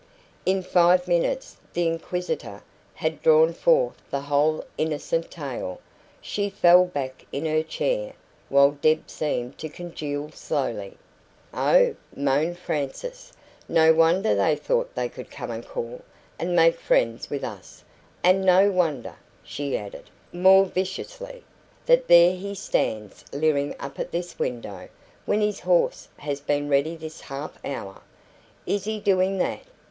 In five minutes the inquisitor had drawn forth the whole innocent tale. She fell back in her chair, while Deb seemed to congeal slowly. "Oh," moaned Frances, "no wonder they thought they could come and call and make friends with us! And no wonder," she added, more viciously, "that there he stands leering up at this window, when his horse has been ready this half hour." "Is he doing that?"